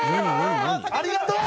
「ありがとう！」